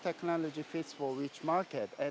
teknologi mana yang sesuai untuk pasar